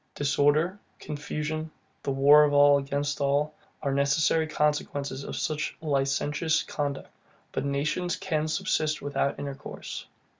Disorder, confusion, the war of all against all, are the necessary consequences of such a licentious conduct. But nations can subsist without intercourse.